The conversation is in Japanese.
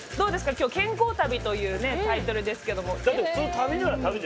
今日「健康旅」というねタイトルですけども。